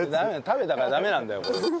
食べたらダメなんだよこれは。